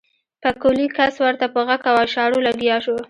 پکولي کس ورته په غږ او اشارو لګيا شو.